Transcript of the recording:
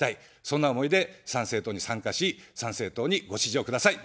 そんな思いで参政党に参加し、参政党にご支持をください。